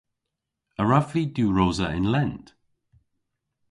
A wrav vy diwrosa yn lent?